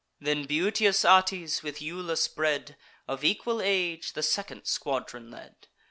Then beauteous Atys, with Iulus bred, Of equal age, the second squadron led.